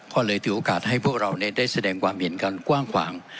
ก็เลยถือโอกาสให้พวกเราได้แสดงความเห็นกันกว้างขวาง